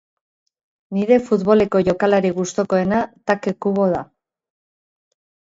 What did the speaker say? Nire futboleko jokalari gustokoena Take Kubo da.